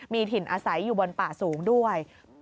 มีถิ่นอาศัยอยู่บนป่าสูงด้วย